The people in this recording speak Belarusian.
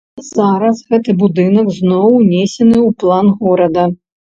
Зараз гэты будынак зноў унесены ў план горада.